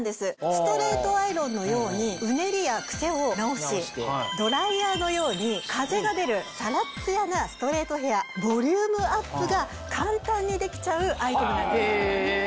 ストレートアイロンのようにうねりやクセを直しドライヤーのように風が出るサラツヤなストレートヘアボリュームアップが簡単にできちゃうアイテムなんです。